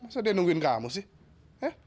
masa dia nungguin kamu sih